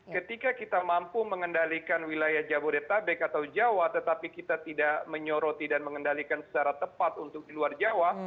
ketika kita mampu mengendalikan wilayah jabodetabek atau jawa tetapi kita tidak menyoroti dan mengendalikan secara tepat untuk di luar jawa